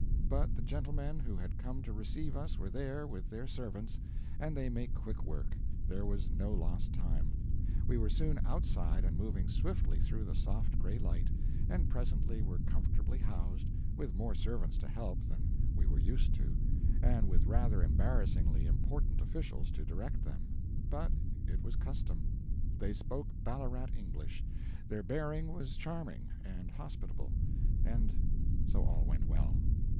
But the gentlemen who had come to receive us were there with their servants, and they make quick work; there was no lost time. We were soon outside and moving swiftly through the soft gray light, and presently were comfortably housed with more servants to help than we were used to, and with rather embarassingly important officials to direct them. But it was custom; they spoke Ballarat English, their bearing was charming and hospitable, and so all went well.